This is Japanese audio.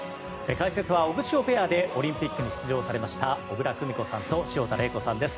解説はオグシオペアでオリンピックに出場されました小椋久美子さんと潮田玲子さんです。